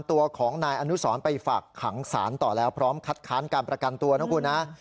ตัวของนายอนุสรไปฝากขังสารต่อแล้วพร้อมคัดค้านการประกันตัวนะคุณนะ